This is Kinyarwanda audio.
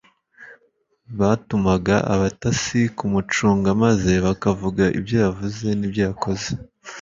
Batumaga abatasi kumucunga maze bakavuga ibyo yavuze n’ibyo yakoze.